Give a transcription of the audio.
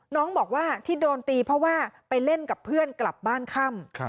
น้องบอกว่าที่โดนตีเพราะว่าไปเล่นกับเพื่อนกลับบ้านค่ำ